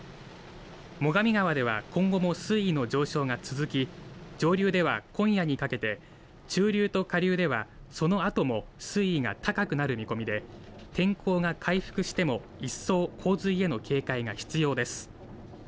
最上川では今後も水位の上昇が続き、上流では今夜にかけて中流と下流ではそのあとも水位が高くなる見込みで天候が回復しても一層、洪水への警戒が必要です。